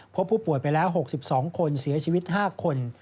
พบผู้ป่วยไปแล้ว๖๒คนเสียชีวิต๕คน